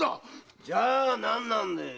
じゃあ何なんだい！